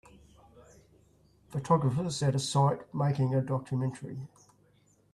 Photographers at a site making a documentary.